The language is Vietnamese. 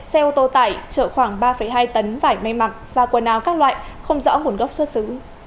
xe ô tô tải chở khoảng ba hai tấn vải may mặc và quần áo các loại không rõ nguồn gốc xuất xứ